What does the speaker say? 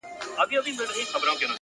وخت د انتظار نه کوي!.